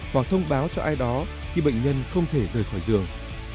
hoặc thông báo cho ai đó khi bệnh nhân không thể rời khỏi giường